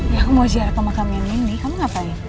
ya aku mau ziarah pemakam nindi kamu ngapain